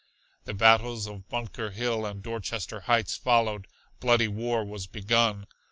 The battles of Bunker Hill and Dorchester Heights followed. Bloody war was begun.